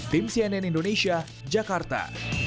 tim cnn indonesia jakarta